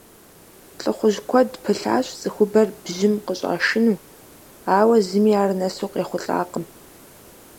ЛӀыхъужь куэд пылъащ цӀыхубэр бжьым къыщӀашыну, ауэ зыми ар нэсу къехъулӀакъым.